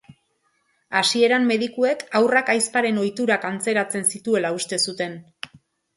Hasieran medikuek haurrak aizparen ohiturak antzeratzen zituela uste zuten.